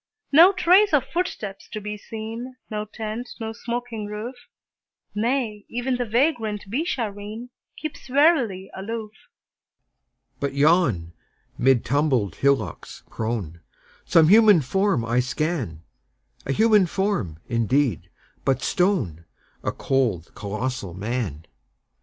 No trace of footsteps to be seen, No tent, no smoking roof; Nay, even the vagrant Beeshareen Keeps warily aloof. But yon, mid tumbled hillocks prone, Some human form I scan A human form, indeed, but stone: A cold, colossal Man!